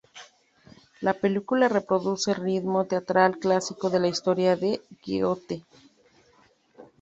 La película reproduce el ritmo teatral clásico de la historia de Goethe.